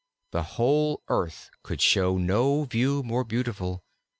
The whole earth could show no view more beautiful.